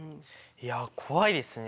いや怖いですね。